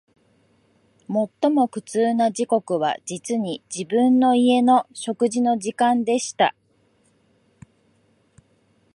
最も苦痛な時刻は、実に、自分の家の食事の時間でした